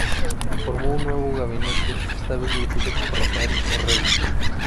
Formó un nuevo gabinete, esta vez dirigido por Rafael Orrego.